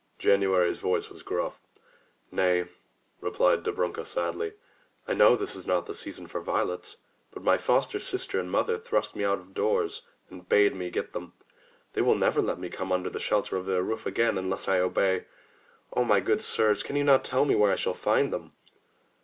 *' January's voice was gruff. "Nay/' replied Dobrunka sadly, "I know this is not the season for violets, but my foster sister and mother thrust me out of doors and bade me get them. They will never let me come under the shelter of their roof again unless I obey. O my good sirs, can you not tell me where I shall find them?"